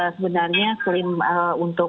sebenarnya klaim untuk